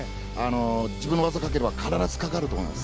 自分の技をかければ必ずかかると思います。